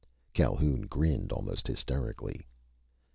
Calhoun grinned almost hysterically.